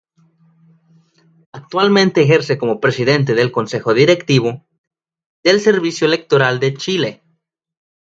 Actualmente ejerce como presidente del Consejo Directivo del Servicio Electoral de Chile.